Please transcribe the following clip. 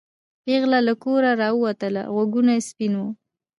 پېغله له کوره راووته غوږونه سپین وو.